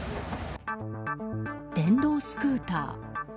電動スクーター。